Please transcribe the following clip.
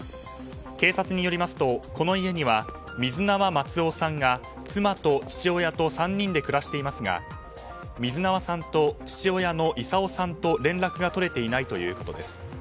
警察によりますと、この家には水縄松生さんが妻と父親と３人で暮らしていますが水縄さんと、父親の功生さんと連絡が取れていないということです。